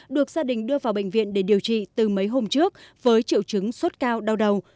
được gia đình đưa vào bệnh viện để điều trị từ mấy hôm trước với triệu chứng sốt cao đau đầu